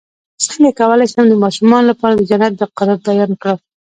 څنګه کولی شم د ماشومانو لپاره د جنت د قرب بیان کړم